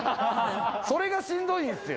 それがしんどいんですよ。